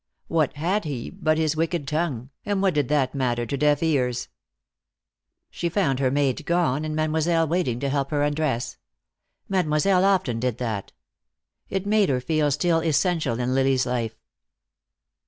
What had he but his wicked tongue, and what did that matter to deaf ears? She found her maid gone, and Mademoiselle waiting to help her undress. Mademoiselle often did that. It made her feel still essential in Lily's life.